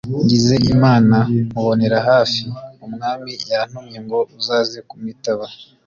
ngize imana nkubonera hafi, umwami yantumye ngo uzaze kumwitaba